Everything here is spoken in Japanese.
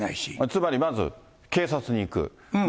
つまりまず、警察に行く。